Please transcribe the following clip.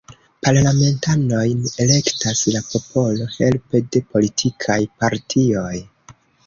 Parlamentanojn elektas la popolo helpe de politikaj partioj.